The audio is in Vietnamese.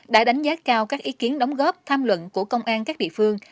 đã đánh giá cao các ý kiến đóng góp tham luận của công an các địa phương